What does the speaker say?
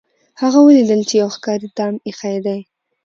هغه ولیدل چې یو ښکاري دام ایښی دی.